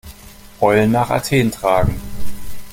Eulen nach Athen tragen.